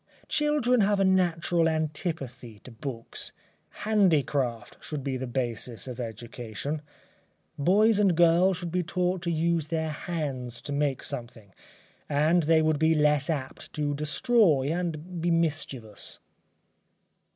Children have a natural antipathy to books handicraft should be the basis of education. Boys and girls should be taught to use their hands to make something, and they would be less apt to destroy and be mischievous.